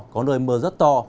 có nơi mưa rất to